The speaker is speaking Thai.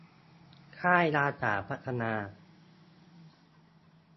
ค่ายอาสาพัฒนา